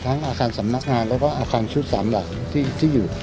อาคารสำนักงานแล้วก็อาคารชุด๓หลักที่อยู่